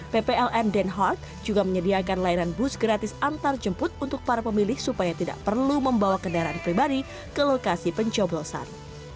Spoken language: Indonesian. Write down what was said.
ppln denhard juga menyediakan layanan bus gratis antarjemput untuk para pemilih supaya tidak perlu membawa kendaraan pribadi ke lokasi pencoblosan